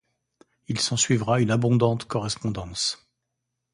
Il s'ensuivra une abondante correspondance.